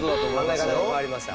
考え方が変わりました。